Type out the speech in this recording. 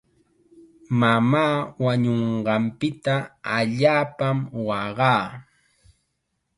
Mamaa wañunqanpita allaapam waqaa.